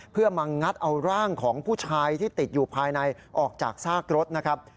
เพื่อมางัดเอาร่างของผู้ชายที่ติดอยู่ภายในออกจากซากรถนะครับ